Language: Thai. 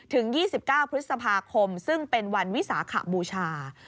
ถึง๒๙พฤษภาคมซึ่งเป็นวันวิสาขบูชา